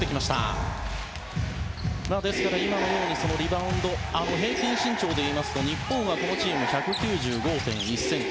ですから今のようにリバウンド平均身長で言いますと日本は１９５．１ｃｍ。